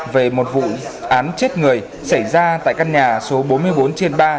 về một vụ án chết người xảy ra tại căn nhà số bốn mươi bốn trên ba